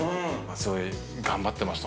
◆すごい頑張ってました、